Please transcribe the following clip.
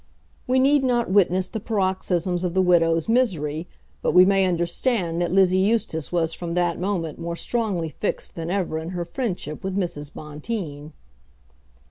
We need not witness the paroxysms of the widow's misery, but we may understand that Lizzie Eustace was from that moment more strongly fixed than ever in her friendship with Mrs. Bonteen.